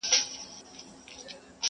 نه مي علم نه دولت سي ستنولای.!